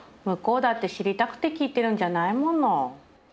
向こうだって知りたくて聞いてるんじゃないもの。